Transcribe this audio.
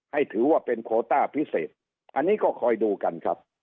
ถือว่าเป็นโคต้าพิเศษอันนี้ก็คอยดูกันครับ